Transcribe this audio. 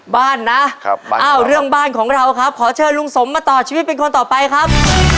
บ้านนะเรื่องบ้านของเราครับขอเชิญลุงสมมาต่อชีวิตเป็นคนต่อไปครับ